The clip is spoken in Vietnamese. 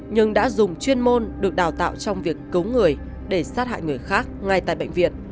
nhưng đã dùng chuyên môn được đào tạo trong việc cứu người để sát hại người khác ngay tại bệnh viện